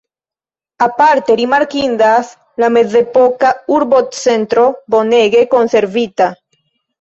Aparte rimarkindas la mezepoka urbocentro bonege konservita.